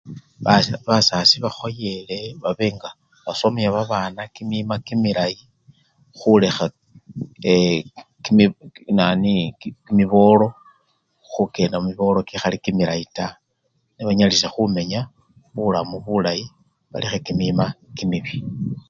Basi! basasi bakhoyele babe ngabasomya babana kimima kimilayi, kulekha ee! ki! nani! ki! kimibolo, khukenda mumibolo kikhali kimilayi taa nebanyalisye khumenya mubulamu bulayi balekhe kimima kimibii.